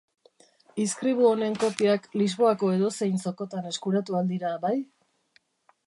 Izkribu honen kopiak Lisboako edozein zokotan eskuratu ahal dira, bai?